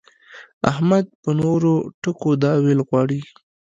احمد په نورو ټکو دا ويل غواړي.